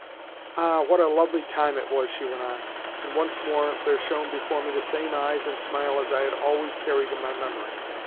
"Ah! what a lovely time it was!" she went on and once more there shone before me the same eyes and smile as I had always carried in my memory.